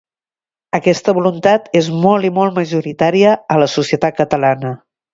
Aquesta voluntat és molt i molt majoritària a la societat catalana.